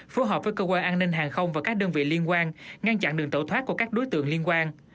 phối hợp với cơ quan an ninh hàng không và các đơn vị liên quan ngăn chặn đường tẩu thoát của các đối tượng liên quan